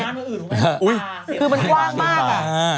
คือมันกว้างมากอ่ะ